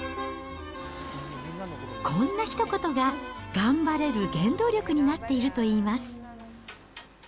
こんなひと言が、頑張れる原動力になっているといいます。